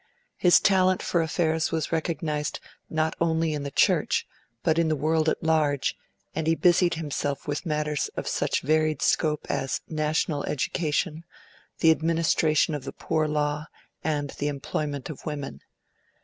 His talent for affairs was recognised not only in the Church, but in the world at large, and he busied himself with matters of such varied scope as National Education, the administration of the Poor Law, and the Employment of Women.